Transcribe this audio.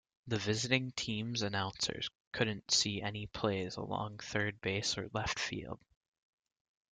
The visiting team's announcers couldn't see any plays along third base or left field.